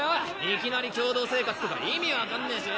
いきなり共同生活とか意味わかんねえし。